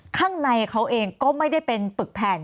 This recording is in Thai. ข้างในเขาเองก็ไม่ได้เป็นปึกแผ่น